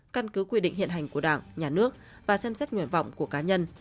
căn cứ quy định hiện hành của đảng nhà nước và xem xét nguyện vọng của cá nhân